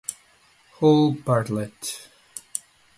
Hall Bartlett